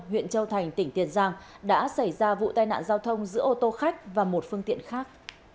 huyện châu thành tỉnh tiền giang đã xảy ra vụ tai nạn giao thông giữa ô tô khách và một phương tiện khác